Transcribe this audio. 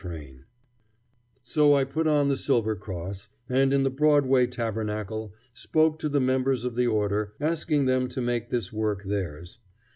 So I put on the silver cross, and in the Broadway Tabernacle spoke to the members of the order, asking them to make this work theirs.